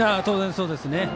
当然、そうですね。